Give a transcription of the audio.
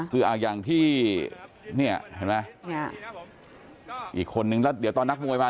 คืออย่างที่เนี่ยเห็นไหมอีกคนนึงแล้วเดี๋ยวตอนนักมวยมา